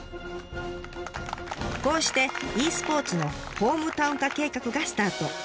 こうして「ｅスポーツのホームタウン化計画」がスタート！